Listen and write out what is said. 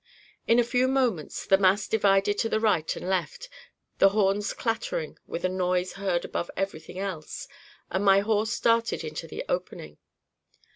In a few moments the mass divided to the right and left, the horns clattering with a noise heard above everything else, and my horse darted into the opening.